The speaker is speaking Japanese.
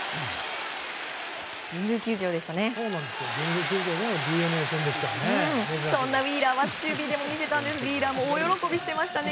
神宮球場でしたね。